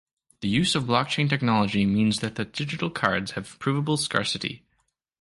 The use of blockchain technology means that the digital cards have provable scarcity.